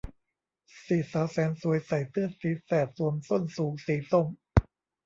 สี่สาวแสนสวยใส่เสื้อสีแสดสวมส้นสูงสีส้ม